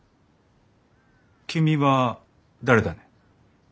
君は誰だね？